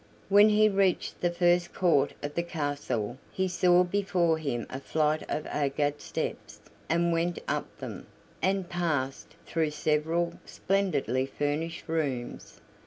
When he reached the first court of the castle he saw before him a flight of agate steps, and went up them, and passed through several splendidly furnished rooms.